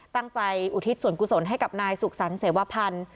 ตั้งใจอุทิศสวนกุศลให้กับนายสุขสังเสวพันธ์